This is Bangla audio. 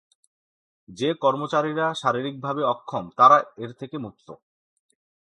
যে-কর্মচারীরা শারীরিকভাবে অক্ষম, তারা এর থেকে মুক্ত।